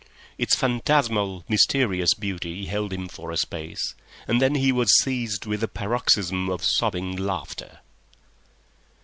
Its phantasmal, mysterious beauty held him for a space, and then he was seized with a paroxysm of sobbing laughter